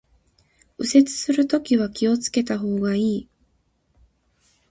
右折するときは気を付けた方がいい